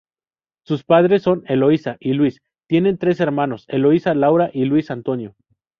Sus padres son Eloisa y Luís, tiene tres hermanos, Eloisa, Laura y Luis Antonio.